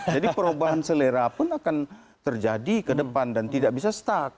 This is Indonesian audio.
jadi perubahan selera pun akan terjadi ke depan dan tidak bisa stuck